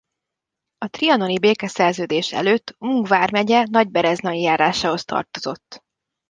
A trianoni békeszerződés előtt Ung vármegye Nagybereznai járásához tartozott.